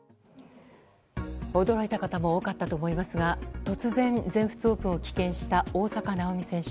驚いた方も多かったと思いますが突然、全仏オープンを棄権した大坂なおみ選手。